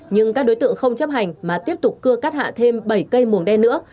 nhưng các đối tượng không chấp hành mà tiếp tục cưa cắt hạ thêm bảy cây muồng đen nữa